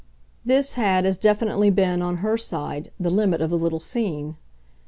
this had as definitely been, on her side, the limit of the little scene.